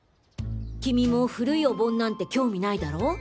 君も古いお盆なんて興味ないだろ？